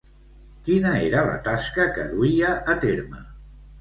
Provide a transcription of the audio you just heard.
Quina era la tasca que duia a terme?